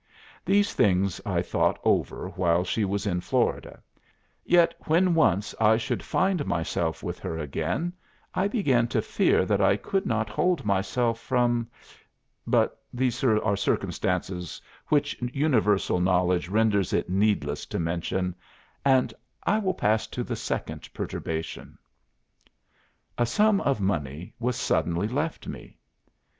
These things I thought over while she was in Florida; yet when once I should I find myself with her again, I began to fear that I could not hold myself from but these are circumstances which universal knowledge renders it needless to mention, and I will pass to the second perturbation." "A sum of money was suddenly left me.